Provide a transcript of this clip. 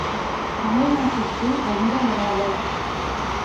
தமிழ்நாட்டிற்கு வந்தவராவர்.